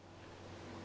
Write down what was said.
ini pada dasarnya